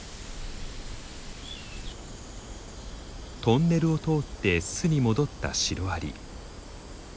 トンネルを通って巣に戻ったシロアリ。